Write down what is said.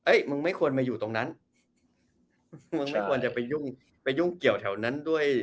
เอ๊ยมึงไม่ควรมาอยู่ตรงนั้น